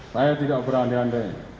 saya tidak berbanding banding